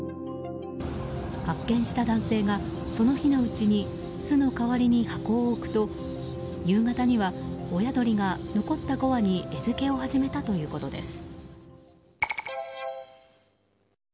発見した男性が、その日のうちに巣の代わりに箱を置くと夕方には親鳥が残った５羽に餌付けを始めたということです。